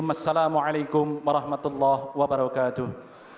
assalamu'alaikum warahmatullahi wabarakatuh